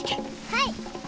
はい！